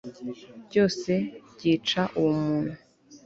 byose byica uwo muntu